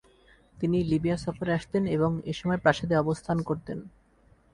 তিনি লিবিয়া সফরে আসতেন এবং এসময় প্রাসাদে অবস্থান করতেন।